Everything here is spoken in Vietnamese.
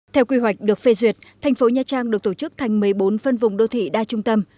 theo quy hoạch được phê duyệt thành phố nha trang được tổ chức thành một mươi bốn phân vùng đô thị đa trung tâm